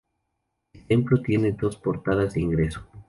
El templo tiene dos portadas de ingreso.